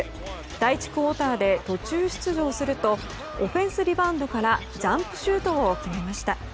第１クオーターで途中出場するとオフェンスリバウンドからジャンプシュートを決めました。